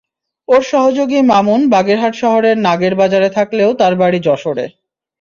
তাঁর সহযোগী মামুন বাগেরহাট শহরের নাগের বাজারে থাকলেও তাঁর বাড়ি যশোরে।